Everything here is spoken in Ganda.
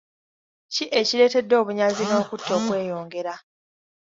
Ki ekireetedde obunyazi n'okutta okweyongera?